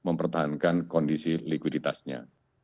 dan mempertahankan kondisi likuiditasnya